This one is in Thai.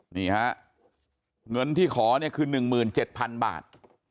นี่ฮะเงินที่ขอเนี่ยคือ๑๗๐๐๐บาท